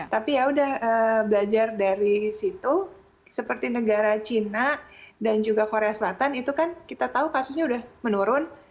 tapi yaudah belajar dari situ seperti negara cina dan juga korea selatan itu kan kita tahu kasusnya sudah menurun